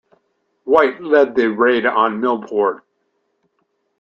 Wight led the raid on Millport.